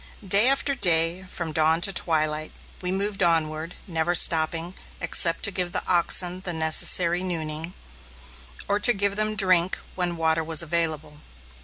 Day after day, from dawn to twilight, we moved onward, never stopping, except to give the oxen the necessary nooning, or to give them drink when water was available.